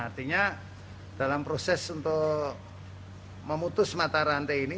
artinya dalam proses untuk memutus mata rantai ini